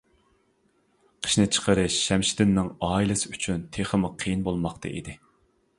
قىشنى چىقىرىش شەمشىدىننىڭ ئائىلىسى ئۈچۈن تېخىمۇ قىيىن بولماقتا ئىدى.